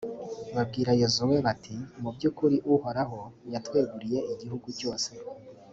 babwira yozuwe bati «mu by’ukuri, uhoraho yatweguriye igihugu cyose.